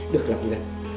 được lòng dân